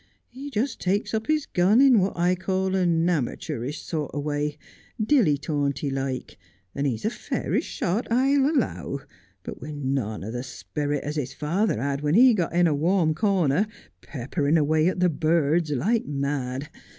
He just takes up his gun in what I call a namatoorist sort of a way — dilly taunty like — and he's a fairish shot, I allow, but with none of the sperrit as his father had when he got in a warm corner, pepperin' away at the burds like mad.